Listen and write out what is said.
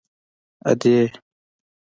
_ادې!!!